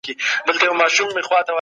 په شريعت کي علم ته اهميت ورکول کيږي.